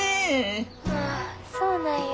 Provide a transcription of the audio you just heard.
ああそうなんや。